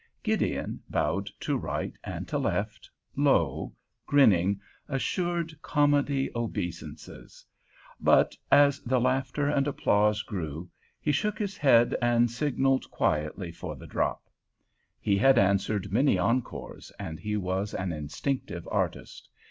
Gideon bowed to right and to left, low, grinning, assured comedy obeisances; but as the laughter and applause grew he shook his head, and signaled quietly for the drop. He had answered many encores, and he was an instinctive artist.